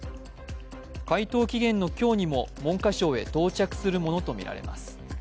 回答期限の今日にも、文科省へ到着するものとみられます。